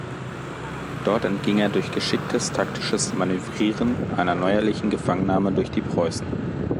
Dort entging er durch geschicktes taktisches Manövrieren einer neuerlichen Gefangennahme durch die Preußen.